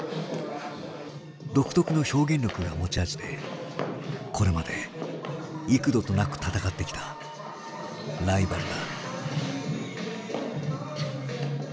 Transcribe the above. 独特の表現力が持ち味でこれまで幾度となく戦ってきたライバルだ。